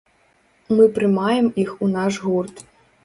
Мы прымаем іх у наш гурт.